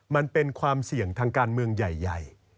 มันเป็นความเสี่ยงทางการเมืองใหญ่